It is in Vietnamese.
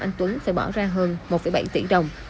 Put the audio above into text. anh tuấn phải bỏ ra hơn một bảy tỷ đồng